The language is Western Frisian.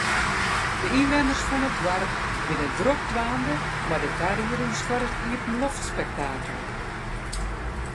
De ynwenners fan it doarp binne drok dwaande mei de tariedings foar it iepenloftspektakel.